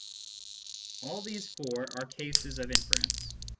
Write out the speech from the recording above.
All these four are cases of inference.